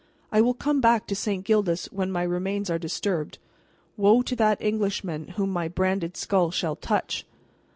I will come back to St. Gildas when my remains are disturbed. Woe to that Englishman whom my branded skull shall touch!"